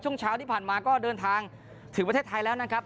ช่วงเช้าที่ผ่านมาก็เดินทางถึงประเทศไทยแล้วนะครับ